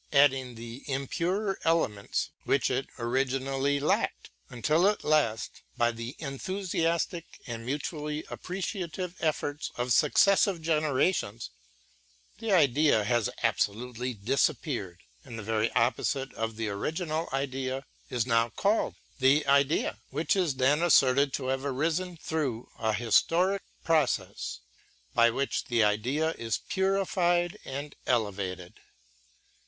ŌĆöadding the impurer elements which it originally lacked: until at last, by the enthusiastic and mutually appreciative efforts of successive generations, the idea has absolutely disappeared and the very opposite of the original idea is now called the idea, which is then asserted to have arisen through a historic process by which the idea is purified and elevated.